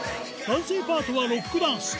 男性パートはロックダンス。